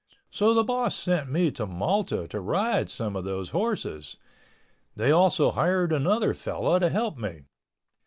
So the boss sent me to Malta to ride some of those horses. They also hired another fellow to help me.